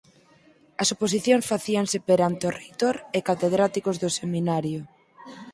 As oposicións facíanse perante o reitor e catedráticos do seminario.